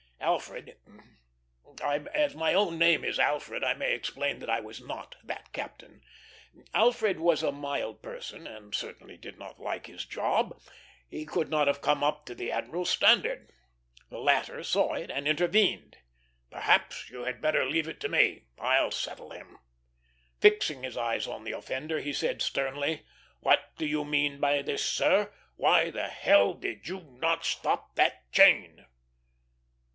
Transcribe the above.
Alfred as my own name is Alfred, I may explain that I was not that captain Alfred was a mild person, and clearly did not like his job; he could not have come up to the admiral's standard. The latter saw it, and intervened: "Perhaps you had better leave it to me. I'll settle him." Fixing his eyes on the offender, he said, sternly, "What do you mean by this, sir? Why the h l did you not stop that chain?"